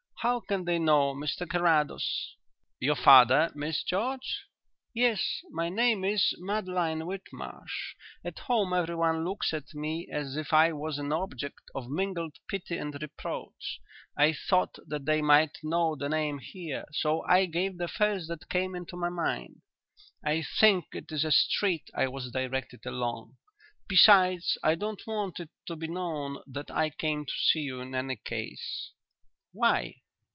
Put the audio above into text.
How can they know, Mr Carrados?" "Your father, Miss George?" "Yes. My name is Madeline Whitmarsh. At home everyone looks at me as if I was an object of mingled pity and reproach. I thought that they might know the name here, so I gave the first that came into my head. I think it is a street I was directed along. Besides, I don't want it to be known that I came to see you in any case." "Why?"